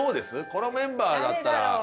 このメンバーだったら。